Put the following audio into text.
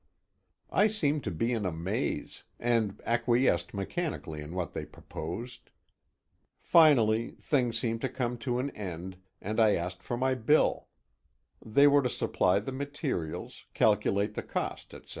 I seemed to be in a maze, and acquiesced mechanically in what they proposed. Finally, things seemed to come to an end, and I asked for my bill. They were to supply the materials, calculate the cost, etc.